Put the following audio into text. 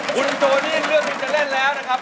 คุณโจนี่เลือกที่จะเล่นแล้วนะครับ